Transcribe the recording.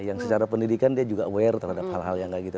yang secara pendidikan dia juga aware terhadap hal hal yang nggak gitu